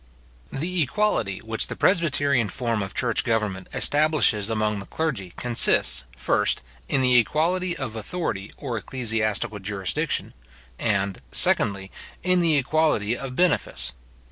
The equality which the presbyterian form of church government establishes among the clergy, consists, first, in the equality of authority or ecclesiastical jurisdiction; and, secondly, in the equality of benefice.